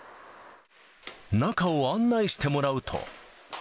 中を案内してもらうと。